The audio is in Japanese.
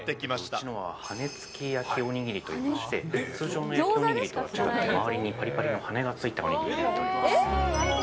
うちのは、羽根付き焼きおにぎりといいまして、通常の焼きおにぎりとは違って、ぱりぱりの羽根が付いたおにぎりになります。